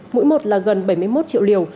mũi một là gần bảy mươi một triệu liều